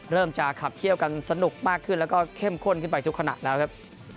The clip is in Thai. เริ่มจะขับเขี้ยวกันสนุกมากขึ้นแล้วก็เข้มข้นขึ้นไปทุกขณะแล้วครับ